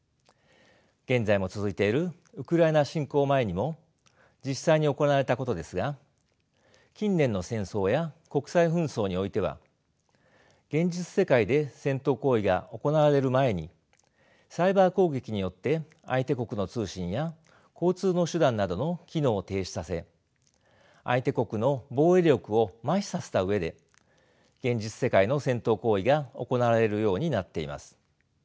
現在も続いているウクライナ侵攻前にも実際に行われたことですが近年の戦争や国際紛争においては現実世界で戦闘行為が行われる前にサイバー攻撃によって相手国の通信や交通の手段などの機能を停止させ相手国の防衛力を麻痺させた上で現実世界の戦闘行為が行われるようになっています。